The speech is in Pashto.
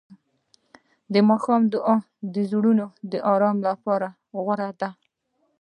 د ماښام دعا د زړونو آرام لپاره غوره ده.